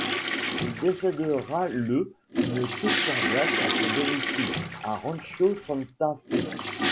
Il décédera le d'une crise cardiaque à son domicile, à Rancho Santa Fe.